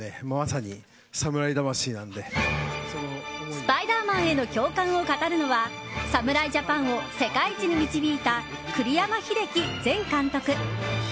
スパイダーマンへの共感を語るのは侍ジャパンを世界一に導いた栗山英樹前監督。